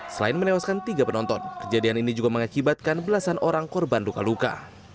selain menewaskan tiga penonton kejadian ini juga mengakibatkan belasan orang korban luka luka